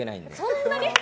そんなに？